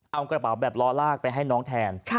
เอากระเป๋าแบบล้อลากไปให้น้องแทน